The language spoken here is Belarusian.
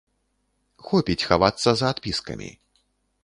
Хопіць хавацца за адпіскамі.